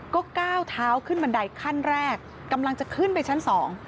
ก็ก้าวเท้าขึ้นบันไดขั้นแรกกำลังจะขึ้นไปชั้นสอง